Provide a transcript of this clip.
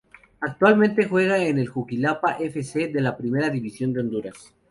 Actualmente Juega en el Juticalpa Fc de la primera división de Honduras.